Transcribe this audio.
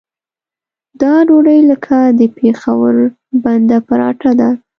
دا ډوډۍ لکه د پېښور بنده پراټه وه.